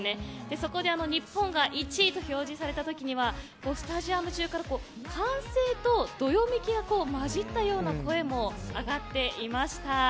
そこで日本が１位と表示された時にはスタジアム中から歓声とどよめきが混じったような声も上がっていました。